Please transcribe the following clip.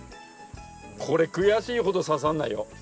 これ悔しいほど刺さんないよ。